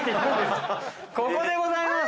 ここでございます！